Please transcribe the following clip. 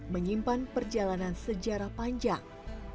menyimpan perjalanan sejarah panjang